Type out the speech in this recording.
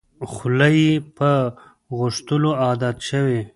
خوله یې په غوښتلو عادت شوې.